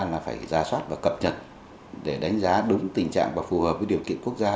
là phải ra soát và cập nhật để đánh giá đúng tình trạng và phù hợp với điều kiện quốc gia